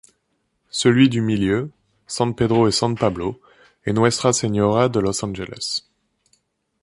Celui du milieu, San Pedro et San Pablo, et Nuestra Señora de los Ángeles.